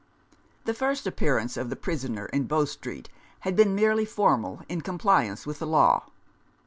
The first appearance of the prisoner in Bow Street had been merely formal, in compliance with the law.